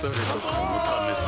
このためさ